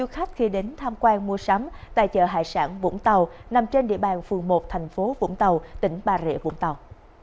khách khi đến tham quan mua sắm tại chợ hải sản vũng tàu nằm trên địa bàn phường một thành phố vũng tàu tỉnh bà rịa vũng tàu